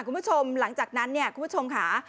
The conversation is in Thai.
คุณผู้ชมหลังจากนั้นเนี่ยคุณผู้ชมค่ะ